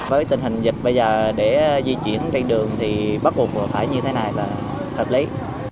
với tình hình dịch bây giờ để di chuyển trên đường thì bắt buộc phải như thế này là hợp lý